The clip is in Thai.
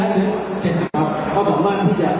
ทำทำร่วมไข้จริงครับทำครยังมียอดคุยกับจังหารที่เว้ยใส่